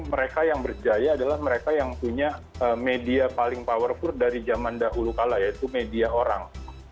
mereka yang berjaya adalah mereka yang punya media paling powerful dari zaman dahulu kala yaitu media orang